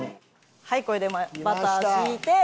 はいこれでバター引いて。